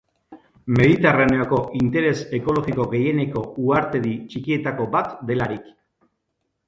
Mediterraneoko interes ekologiko gehieneko uhartedi txikietako bat delarik.